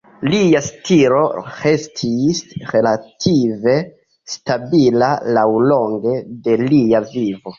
Lia stilo restis relative stabila laŭlonge de lia vivo.